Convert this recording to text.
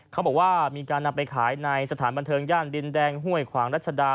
เขาบอกว่ามีการนำไปขายในสถานบันเทิงย่านดินแดงห้วยขวางรัชดา